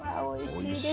おいしい。